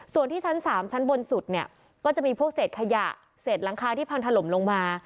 ส่วนที่ชั้น๓ชั้นบนสุดเนี่ยก็จะมีพวกเศษขยะเศษหลังคาที่พังถล่มลงมา